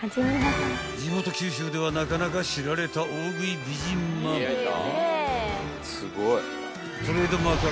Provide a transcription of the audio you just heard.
［地元九州ではなかなか知られた大食い美人ママで］